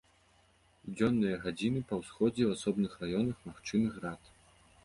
У дзённыя гадзіны па ўсходзе ў асобных раёнах магчымы град.